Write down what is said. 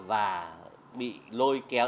và bị lôi kéo